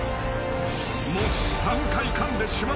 ［もし］